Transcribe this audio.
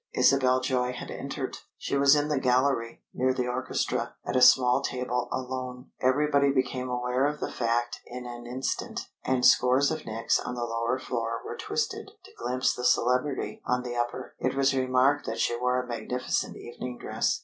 Isabel Joy had entered. She was in the gallery, near the orchestra, at a small table alone. Everybody became aware of the fact in an instant, and scores of necks on the lower floor were twisted to glimpse the celebrity on the upper. It was remarked that she wore a magnificent evening dress.